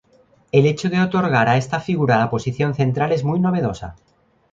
El hecho de otorgar a esta figura la posición central es muy novedosa.